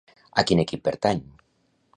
A quin equip pertany?